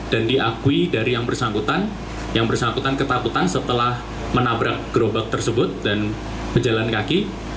dan diakui dari yang bersangkutan yang bersangkutan ketakutan setelah menabrak gerobak tersebut dan berjalan kaki